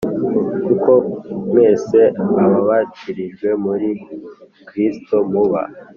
kuko mwese ababatirijwe muri Kristo muba